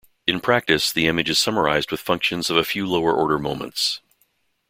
In practice, the image is summarized with functions of a few lower order moments.